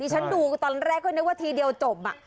ฉันดูตอนแรกก็นึกว่าทีเดียวจบ